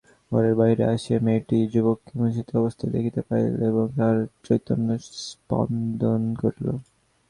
ঘরের বাহিরে আসিয়া মেয়েটি যুবককে মূর্ছিত অবস্থায় দেখিতে পাইল এবং তাহার চৈতন্য সম্পাদন করিল।